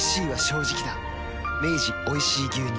明治おいしい牛乳